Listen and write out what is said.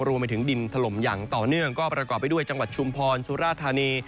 รวมไปถึงดินถล่มอย่างต่อเนื่องก็ประกอบไปด้วยจังหวัดชุมพรสุราธานี